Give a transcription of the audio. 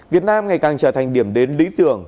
việt nam ngày càng trở thành điểm đến lý tưởng